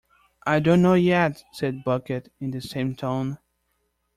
"I don't know yet," said Bucket in the same tone.